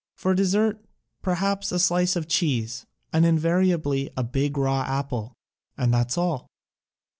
For dessert, perhaps a slice of cheese, and inva riably a big raw apple. And that's all.